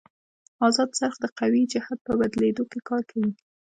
ازاد څرخ د قوې جهت په بدلېدو کې کار کوي.